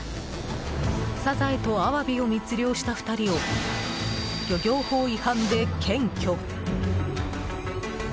サザエとアワビを密漁した２人を漁業法違反で検挙。